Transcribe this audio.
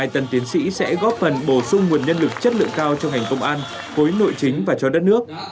hai mươi hai tần tiến sĩ sẽ góp phần bổ sung nguồn nhân lực chất lượng cao cho hành công an hối nội chính và cho đất nước